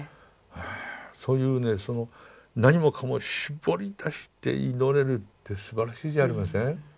ああそういうね何もかも絞り出して祈れるってすばらしいじゃありません？